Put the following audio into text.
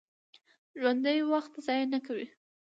ژوندي وخت ضایع نه کوي